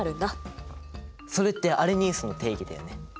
それってアレニウスの定義だよね。